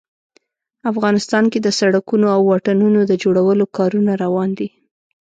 افغانستان کې د سړکونو او واټونو د جوړولو کارونه روان دي